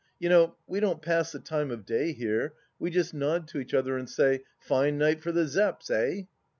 You know, we don't pass the time of day here, we just nod to each other and say, ' Fine night for the Zepps, eh